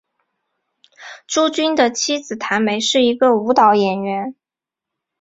朱军的妻子谭梅是一个舞蹈演员。